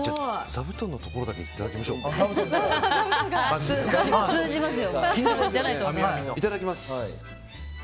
座布団のところだけいただきます。